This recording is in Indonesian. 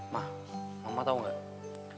ma mama tau gak